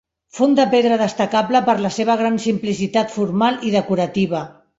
Font de pedra destacable per la seva gran simplicitat formal i decorativa.